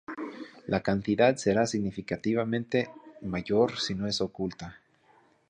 La cantidad será significativamente mayor si no es oculta.